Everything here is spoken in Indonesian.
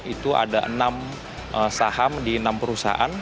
itu ada enam saham di enam perusahaan